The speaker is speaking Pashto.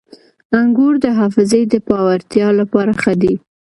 • انګور د حافظې د پیاوړتیا لپاره ښه دي.